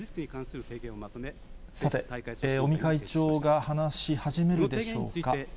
さて、尾身会長が話し始めるでしょうか。